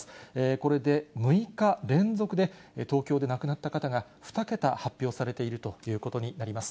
これで６日連続で東京で亡くなった方が２桁発表されているということになります。